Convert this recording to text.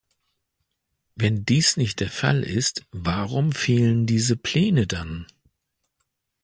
Wenn dies nicht der Fall ist, warum fehlen diese Pläne dann?